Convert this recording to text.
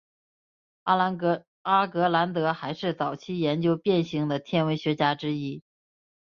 阿格兰德还是早期研究变星的天文学家之一。